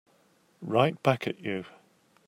Right back at you.